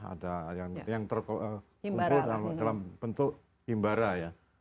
ada yang terkumpul dalam bentuk himbara ya